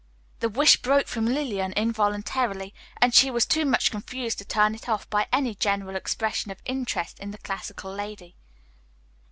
The wish broke from Lillian involuntarily, and she was too much confused to turn it off by any general expression of interest in the classical lady.